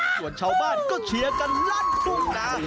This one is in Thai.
ส่วนชาวบ้านก็เชียร์กันลั่นทุ่งนา